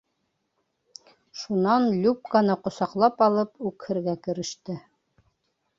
Шунан Любканы ҡосаҡлап алып үкһергә кереште.